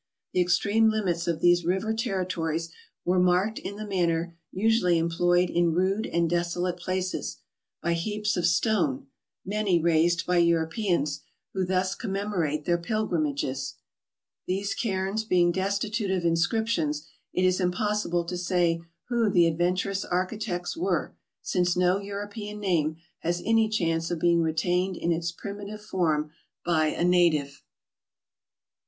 The extreme limits of these river territories were marked in the manner usually em 232 MOUNTAIN ADVENTURES. ployed in rude and desolate places, by heaps of stone,—many raised by Europeans,—who thus com¬ memorate their pilgrimage. These cairns being destitute of inscriptions, it is impossible to say who the adventurous architects were, since no European name has any chance of being retained in its primi¬ tive form by a native.